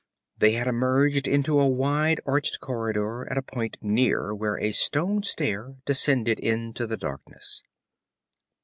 They had emerged into a wide, arched corridor at a point near where a stone stair descended into the darkness.